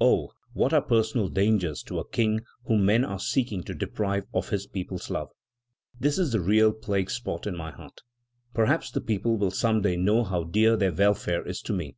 Oh! what are personal dangers to a King whom men are seeking to deprive of his people's love? This is the real plague spot in my heart. Perhaps the people will some day know how dear their welfare is to me.